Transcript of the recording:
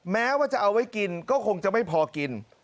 แม้ว่าจะเอาไว้กินก็คงจะไม่พอกิน